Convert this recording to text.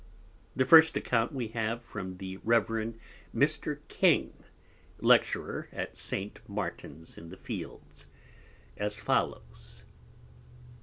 The first Account we have from the Reverend Mr. King, Lecturer at St. Martins in the Fields, as follows.